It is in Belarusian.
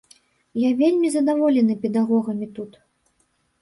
Я вельмі задаволены педагогамі тут.